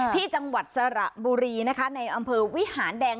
จังหวัดสระบุรีนะคะในอำเภอวิหารแดง